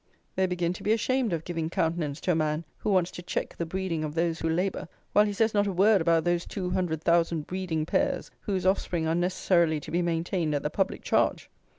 They begin to be ashamed of giving countenance to a man who wants to check the breeding of those who labour, while he says not a word about those two hundred thousand breeding pairs, whose offspring are necessarily to be maintained at the public charge.